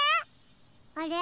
あれ？